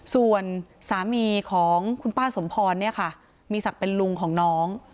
ส่วนสามีของคุณป้าสมพรเนี่ยค่ะมีศักดิ์เป็นลุงของน้อง